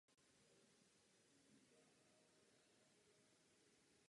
Mají-li se tyto projekty uskutečnit, musí být ve společném vlastnictví.